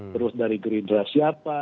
terus dari gerindra siapa